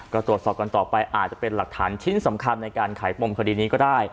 ก็ตรวจสอบกันต่อไปอาจจะเป็นหลักฐานชิ้นสำคัญในการขายปมคดีนี้ก็ได้